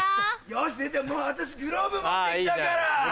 よし絶対もう私グローブ持ってきたから。